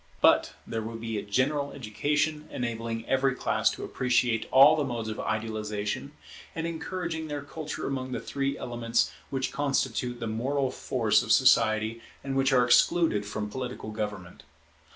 But there will be a general education, enabling every class to appreciate all the modes of idealization, and encouraging their culture among the three elements which constitute the moral force of society and which are excluded from political government.